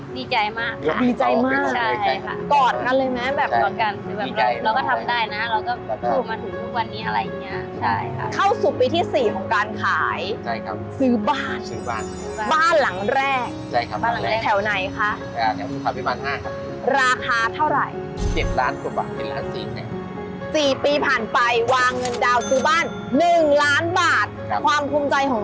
ดีใจมากดีใจมากกอดกันเลยเราก็ทำได้นะ